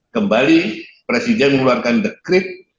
kembali presiden mengeluarkan dekret